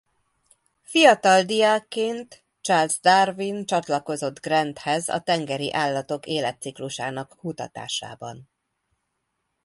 Fiatal diákként Charles Darwin csatlakozott Granthez a tengeri állatok életciklusának kutatásában.